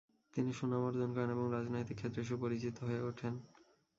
তিনি সুনাম অর্জন করেন এবং রাজনৈতিক ক্ষেত্রে সুপরিচিত হয়ে ওঠেন।